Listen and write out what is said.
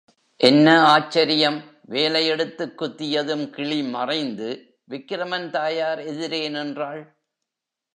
என்ன ஆச்சரியம் வேலை எடுத்துக் குத்தியதும் கிளி மறைந்து, விக்கிரமன் தாயார் எதிரே நின்றாள்.